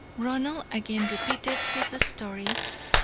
Ronald again repeated his story.